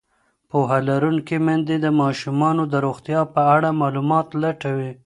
پوهه لرونکې میندې د ماشومانو د روغتیا په اړه معلومات لټوي.